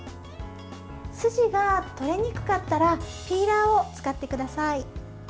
筋が取れにくかったらピーラーを使ってください。